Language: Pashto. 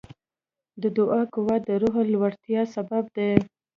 د دعا قوت د روح لوړتیا سبب دی.